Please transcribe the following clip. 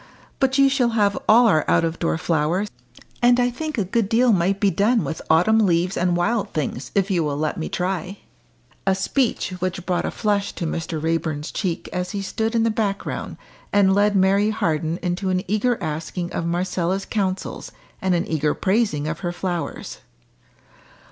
But you shall have all our out of door flowers, and I think a good deal might be done with autumn leaves and wild things if you will let me try." A speech, which brought a flush to Mr. Raeburn's cheek as he stood in the background, and led Mary Harden into an eager asking of Marcella's counsels, and an eager praising of her flowers.